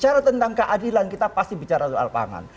bicara tentang keadilan kita pasti bicara soal pangan